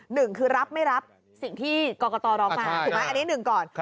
หนึ่งคือรับไม่รับสิ่งที่กรกตร้องมาถูกไหมอันนี้หนึ่งก่อน